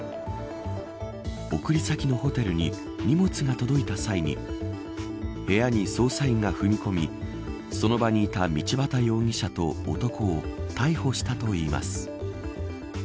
送り先のホテルに荷物が届いた際に部屋に捜査員が踏み込みその場にいた道端容疑者と男を逮捕したといいます。